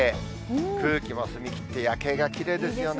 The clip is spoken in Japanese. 空気も澄み切って夜景がきれいですよね。